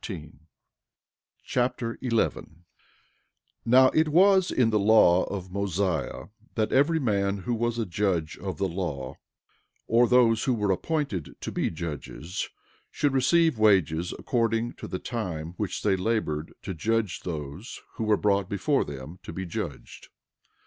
Alma Chapter 11 11:1 Now it was in the law of Mosiah that every man who was a judge of the law, or those who were appointed to be judges, should receive wages according to the time which they labored to judge those who were brought before them to be judged.